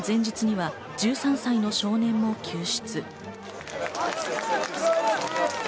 この前日には１３歳の少年も救出。